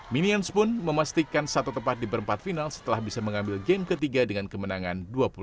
minions pun memastikan satu tepat di perempat final setelah bisa mengambil game ketiga dengan kemenangan dua puluh satu delapan belas